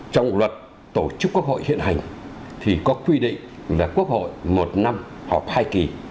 trong luật tổ chức quốc hội hiện hành thì có quy định là quốc hội một năm họp hai kỳ